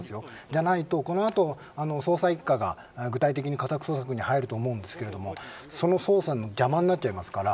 じゃないとこのあと捜査１課が具体的に家宅捜索に入ると思うんですがその捜査の邪魔になっちゃいますから。